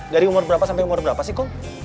dari umur berapa sampai umur berapa sih kok